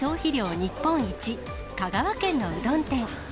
日本一、香川県のうどん店。